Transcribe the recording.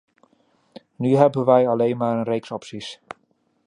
Nu hebben wij alleen maar een reeks opties.